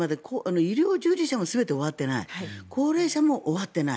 医療従事者も全て終わっていない高齢者も終わっていない。